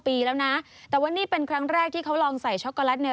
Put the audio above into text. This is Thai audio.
ปีแล้วนะแต่ว่านี่เป็นครั้งแรกที่เขาลองใส่ช็อกโกแลตเนี่ย